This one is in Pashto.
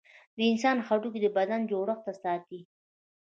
د انسان هډوکي د بدن جوړښت ساتي.